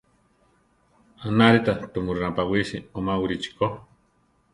Anárita tumu napawisi omáwarichi ko.